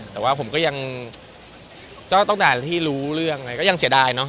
แต่ต้อง้าที่รู้เรื่องก็ยังเสียดาย